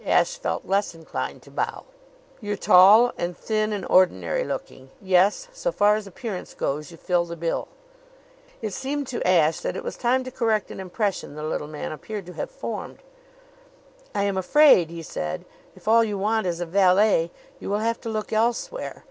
Ashe felt less inclined to bow. "You're tall and thin and ordinary looking. Yes; so far as appearance goes, you fill the bill." It seemed to Ashe that it was time to correct an impression the little man appeared to have formed. "I am afraid," he said, "if all you want is a valet, you will have to look elsewhere.